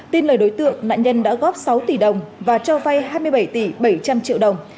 tin lời đối tượng nạn nhân đã góp sáu tỷ đồng và cho vay hai mươi bảy tỷ bảy trăm linh triệu đồng